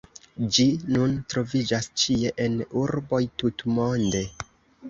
Ĝi nun troviĝas ĉie en urboj tutmonde.